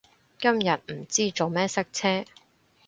今日唔知做咩塞車